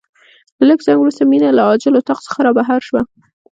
له لږ ځنډ وروسته مينه له عاجل اتاق څخه رابهر شوه.